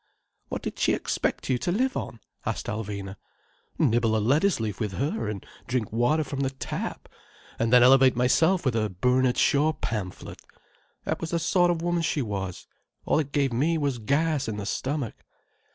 '" "What did she expect you to live on?" asked Alvina. "Nibble a lettuce leaf with her, and drink water from the tap—and then elevate myself with a Bernard Shaw pamphlet. That was the sort of woman she was. All it gave me was gas in the stomach."